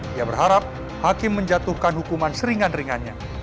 dia berharap hakim menjatuhkan hukuman seringan ringannya